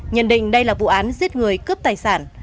nhận định đây là vụ án giết người cướp tài sản